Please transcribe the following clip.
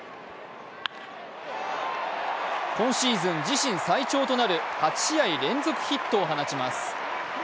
今シーズン自身最長となる８試合連続ヒットを放ちます。